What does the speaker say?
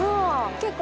結構。